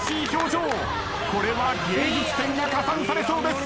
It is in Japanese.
これは芸術点が加算されそうです。